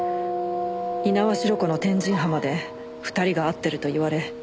猪苗代湖の天神浜で２人が会ってると言われ。